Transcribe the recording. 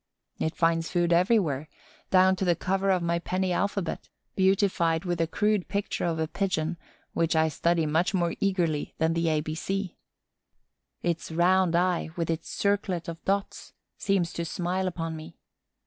It finds food everywhere, down to the cover of my penny alphabet, beautified with a crude picture of a Pigeon which I study much more eagerly than the A B C. Its round eye, with its circlet of dots, seems to smile upon me.